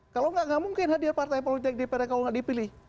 kalau tidak tidak mungkin hadir partai politik ke dpr kalau tidak dipilih